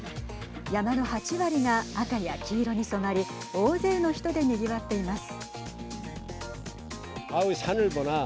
山の８割が赤や黄色に染まり、大勢の人でにぎわっています。